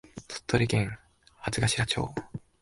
鳥取県八頭町